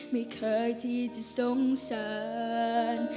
ไม่เคยที่จะสงสาร